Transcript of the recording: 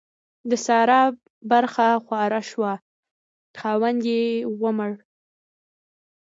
د سارا برخه خواره شوه؛ خاوند يې ومړ.